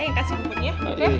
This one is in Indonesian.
yang kasih buburnya